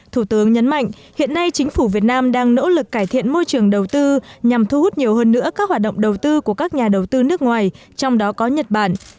thủ tướng nhấn mạnh hiện nay chính phủ việt nam đang nỗ lực cải thiện môi trường đầu tư nhằm thu hút nhiều hơn nữa các hoạt động đầu tư của các nhà đầu tư nước ngoài trong đó có nhật bản